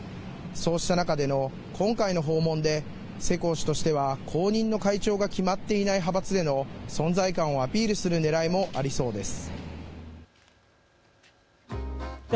そうした中での今回の訪問で世耕氏としては後任の会長が決まっていない派閥での存在感をアピールするねらいもありそうです。